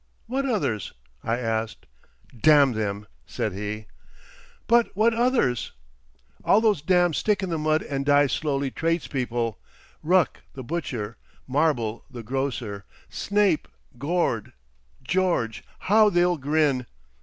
"What others?" I asked. "Damn them!" said he. "But what others?" "All those damned stick in the mud and die slowly tradespeople: Ruck, the butcher, Marbel, the grocer. Snape! Gord! George, how they'll grin!"